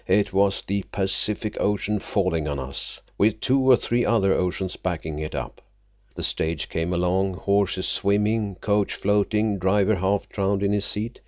It was the Pacific Ocean falling on us, with two or three other oceans backing it up. The stage came along, horses swimming, coach floating, driver half drowned in his seat.